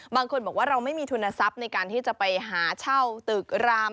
บางคนบอกว่าเราไม่มีทุนทรัพย์ในการที่จะไปหาเช่าตึกราม